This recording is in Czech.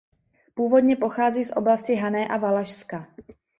Původně pochází z oblasti Hané a Valašska.